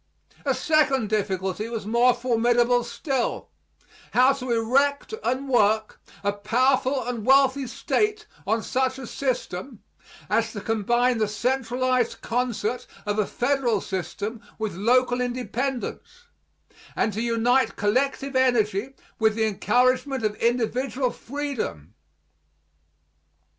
A second difficulty was more formidable still how to erect and work a powerful and wealthy State on such a system as to combine the centralized concert of a federal system with local independence, and to unite collective energy with the encouragement of individual freedom.